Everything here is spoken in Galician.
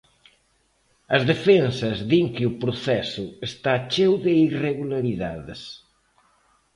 As defensas din que o proceso está cheo de irregularidades.